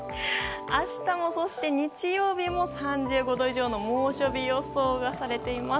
明日と次の日曜日も３５度以上の猛暑日予想がされています。